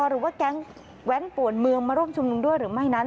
หรือว่าแก๊งแว้นป่วนเมืองมาร่วมชุมนุมด้วยหรือไม่นั้น